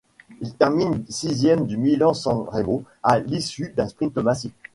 Il termine sixième de Milan-San Remo à l'issue d'un sprint massif.